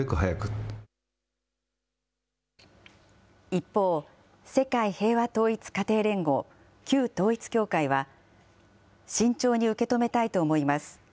一方、世界平和統一家庭連合、旧統一教会は、慎重に受け止めたいと思います。